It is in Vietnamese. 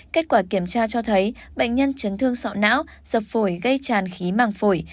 kết quả kiểm tra cho thấy bệnh nhân chấn thương sọ não dập phổi gây tràn khí màng phổi